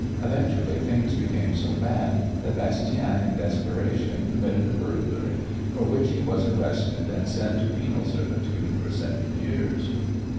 Eventually things became so bad that Bastien in desperation committed a burglary for which he was arrested and sent to penal servitude for seven years.